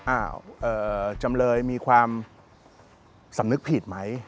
อ้าวจำเลยมีความสำนึกผิดไหม